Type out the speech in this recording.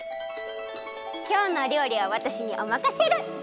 きょうのおりょうりはわたしにおまかシェル！